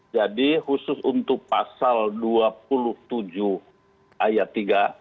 jadi khusus untuk pasal dua puluh tujuh ayat tiga